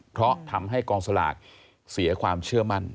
เพราะทำให้กองสลากเสียความเชื่อมั่น